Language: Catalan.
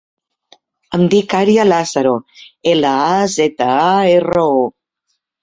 Em dic Ària Lazaro: ela, a, zeta, a, erra, o.